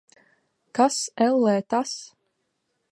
Kas, ellē, tas?